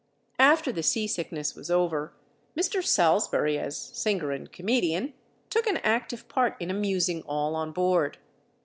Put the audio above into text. After the seasickness was over, Mr. Salsbury, as singer and comedian, took an active part in amusing all on board.